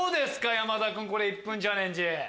山田君この１分チャレンジ。